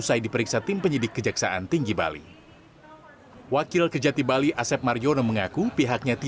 kalau pertanyaan itu kami tidak mengetahui karena kami sudah menjalankan sop kami